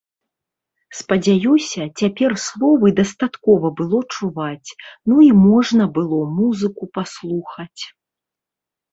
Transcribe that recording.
Спадзяюся, цяпер словы дастаткова было чуваць, ну, і можна было музыку паслухаць.